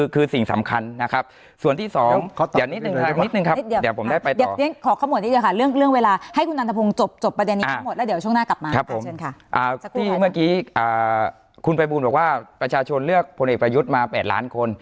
คุณภัยบูลบอกว่าประชาชนเลือกผลเอกประยุทธ์มา๘ล้านคน